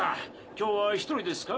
今日は１人ですか？